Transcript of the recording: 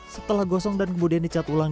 setelah gosong dan kemudian dicat ulang